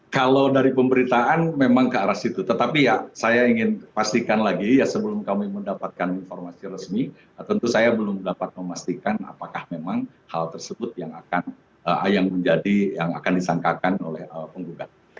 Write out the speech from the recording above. kalau dari pemberitaan memang ke arah situ tetapi ya saya ingin pastikan lagi ya sebelum kami mendapatkan informasi resmi tentu saya belum dapat memastikan apakah memang hal tersebut yang menjadi yang akan disangkakan oleh penggugat